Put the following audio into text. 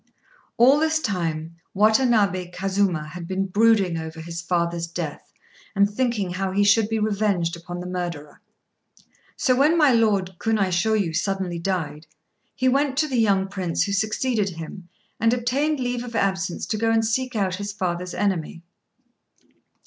All this time Watanabé Kazuma had been brooding over his father's death, and thinking how he should be revenged upon the murderer; so when my Lord Kunaishôyu suddenly died, he went to the young Prince who succeeded him and obtained leave of absence to go and seek out his father's enemy.